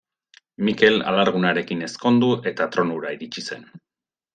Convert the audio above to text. Mikel alargunarekin ezkondu eta tronura iritsi zen.